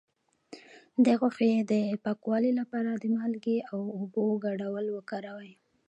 د غوښې د پاکوالي لپاره د مالګې او اوبو ګډول وکاروئ